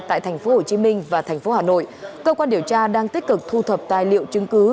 tại tp hcm và tp hcm cơ quan điều tra đang tích cực thu thập tài liệu chứng cứ